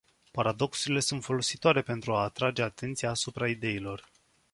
Paradoxurile sunt folositoare pentru a atrage atenția asupra ideilor.